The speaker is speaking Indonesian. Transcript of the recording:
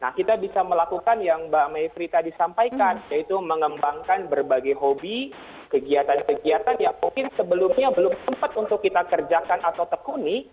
nah kita bisa melakukan yang mbak mayfri tadi sampaikan yaitu mengembangkan berbagai hobi kegiatan kegiatan yang mungkin sebelumnya belum sempat untuk kita kerjakan atau tekuni